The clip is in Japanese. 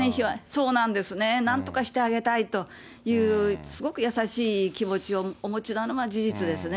そうなんですね、なんとかしてあげたいという、すごく優しい気持ちをお持ちなのは事実ですね。